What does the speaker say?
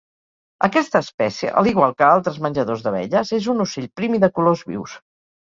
Aquesta espècie, a l'igual que altres menjadors d'abelles, és un ocell prim i de colors vius.